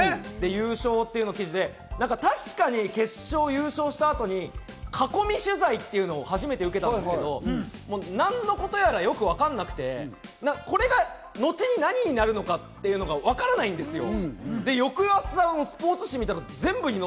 優勝という記事で、確かに決勝で優勝した後に囲み取材っていうのを初めて受けたんですけど、何のことやらよくわからなくて、これが後に何になるのかっていうのがわからないんですよ。